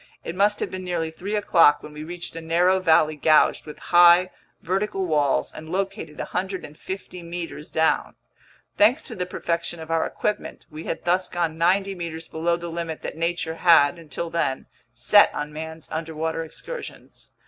It must have been nearly three o'clock when we reached a narrow valley gouged between high, vertical walls and located 150 meters down. Thanks to the perfection of our equipment, we had thus gone ninety meters below the limit that nature had, until then, set on man's underwater excursions.